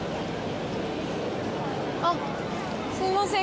あっすいません